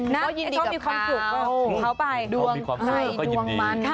ก็ยินดีกับเขาดวงมัน